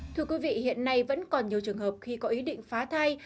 thưa quý vị hiện nay vẫn còn nhiều trường hợp khi có ý định phá thai